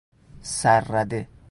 سررده